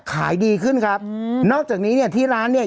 ขายดีขึ้นครับอืมนอกจากนี้เนี่ยที่ร้านเนี่ย